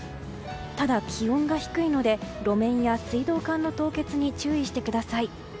ただ、気温が低いので路面や水道管の凍結に注意してください。